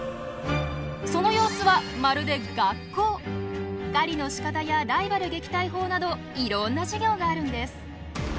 その様子は狩りのしかたやライバル撃退法などいろんな授業があるんです。